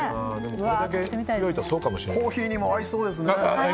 コーヒーにも合いそうですね。